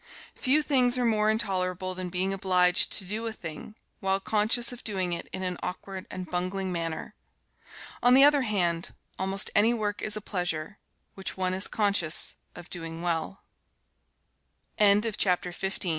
Few things are more intolerable than being obliged to do a thing while conscious of doing it in an awkward and bungling manner. On the other hand, almost any work is a pleasure, which one is conscious of doing well. XVI. TEACHING POWER.